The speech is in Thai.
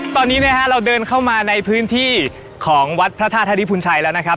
ตอนนี้นะฮะเราเดินเข้ามาในพื้นที่ของวัดพระธาตุธริพุนชัยแล้วนะครับ